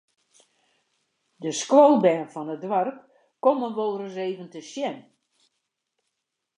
De skoalbern fan it doarp komme wolris even te sjen.